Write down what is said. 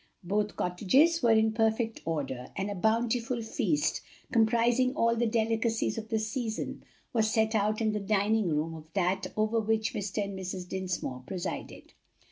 Both cottages were in perfect order, and a bountiful feast, comprising all the delicacies of the season, was set out in the dining room of that over which Mr. and Mrs. Dinsmore presided.